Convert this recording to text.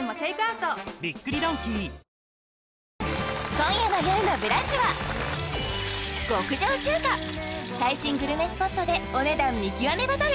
今夜の「よるのブランチ」は極上中華最新グルメスポットでお値段見極めバトル！